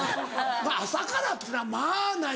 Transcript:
まぁ朝からっていうのはまぁないな。